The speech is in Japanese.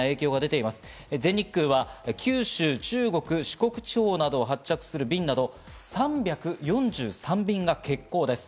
全日空は九州、中国、四国地方などを発着する便など、３４３便が欠航です。